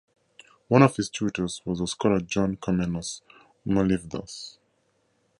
One of his tutors was the scholar John Komnenos Molyvdos.